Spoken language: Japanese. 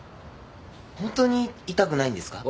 ホントに痛くないんですか？